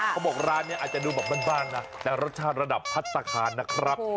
เขาบอกร้านนี้อาจจะดูแบบบ้านนะแต่รสชาติระดับพัฒนาคารนะครับ